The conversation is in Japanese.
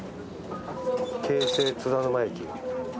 京成津田沼駅。